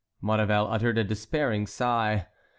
Maurevel uttered a despairing sigh.